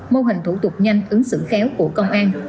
mô hình thủ tục nhanh ứng xử khéo của công an